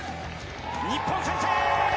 日本、先制！